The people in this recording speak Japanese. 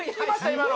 今の？